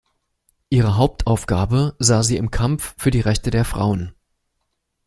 Ihre Hauptaufgabe sah sie im Kampf für die Rechte der Frauen.